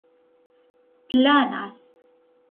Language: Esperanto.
planas